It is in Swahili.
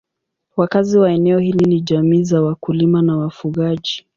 Wakazi wa eneo hili ni jamii za wakulima na wafugaji.